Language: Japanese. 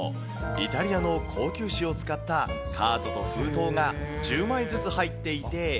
イタリアの高級紙を使ったカードと封筒が１０枚ずつ入っていて。